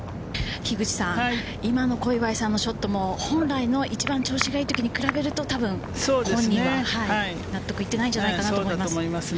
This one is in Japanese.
今の小祝さんのショットも本来の一番調子いいときに比べると、たぶん本人は納得いってないんじゃないかなと思います。